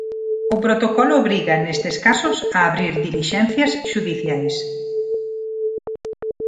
O protocolo obriga nestes casos a abrir dilixencias xudiciais.